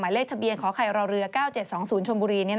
เลขทะเบียนขอไข่รอเรือ๙๗๒๐ชนบุรี